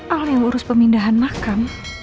allah yang urus pemindahan makam